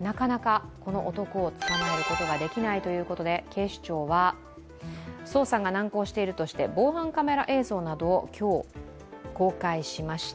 なかなか男を捕まえることができないということで警視庁は捜査が難航しているという防犯カメラ映像などを今日、公開しました。